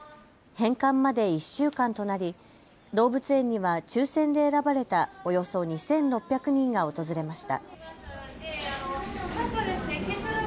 返還まで１週間となり動物園には抽せんで選ばれたおよそ２６００人が訪れました。